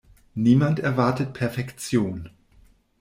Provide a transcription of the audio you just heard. Niemand erwartet Perfektion.